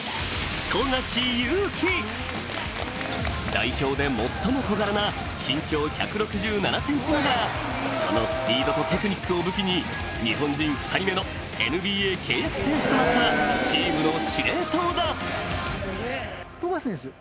代表で最も小柄な身長１６７ｃｍながらそのスピードとテクニックを武器に日本人２人目のＮＢＡ契約選手となったチームの司令塔だ